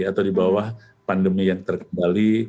atau di bawah pandemi yang terkendali